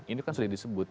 ini kan sudah disebut